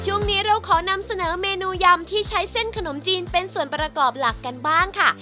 ช่วงนี้เราขอนำเสนอเมนูยำที่ใช้เส้นขนมจีนเป็นส่วนประกอบหลักกันบ้างค่ะ